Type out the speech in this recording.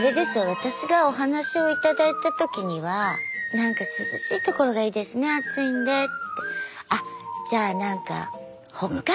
私がお話を頂いた時にはなんか涼しいところがいいですね暑いんでって。